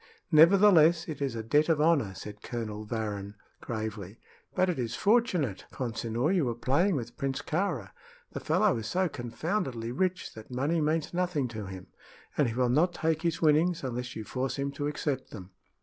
"Nevertheless, it is a debt of honor," said Colonel Varrin, gravely. "But it is fortunate, Consinor, you were playing with Prince Kāra. The fellow is so confoundedly rich that money means nothing to him, and he will not take his winnings unless you force him to accept them."